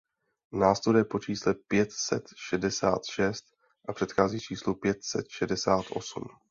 Následuje po čísle pět set šedesát šest a předchází číslu pět set šedesát osm.